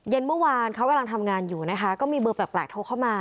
เมื่อวานเขากำลังทำงานอยู่นะคะก็มีเบอร์แปลกโทรเข้ามา